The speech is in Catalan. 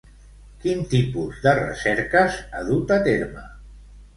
Quin tipus de recerques ha dut a terme?